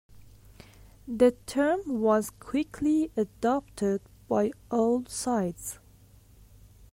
The term was quickly adopted by all sides.